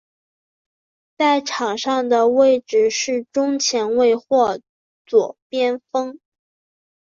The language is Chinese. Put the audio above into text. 在场上的位置是中前卫或左边锋。